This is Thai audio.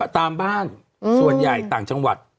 ตามบ้านส่วนใหญ่ต่างจังหวัด